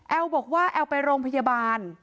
บอกว่าแอลไปโรงพยาบาล